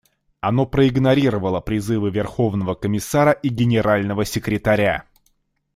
Оно проигнорировало призывы Верховного комиссара и Генерального секретаря.